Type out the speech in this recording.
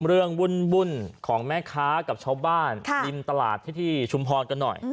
วุ่นของแม่ค้ากับชาวบ้านริมตลาดที่ชุมพรกันหน่อย